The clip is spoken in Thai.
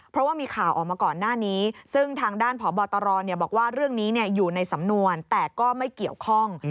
เพราะว่ามีข่าวออกมาก่อนหน้านี้ซึ่งทางด้านพบตรบอกว่าเรื่องนี้อยู่ในสำนวนแต่ก็ไม่เกี่ยวข้อง